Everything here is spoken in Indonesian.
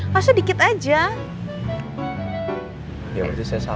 masa sedikit aja